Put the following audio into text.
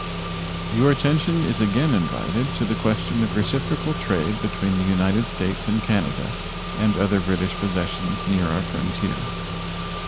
Your attention is again invited to the question of reciprocal trade between the United States and Canada and other British possessions near our frontier.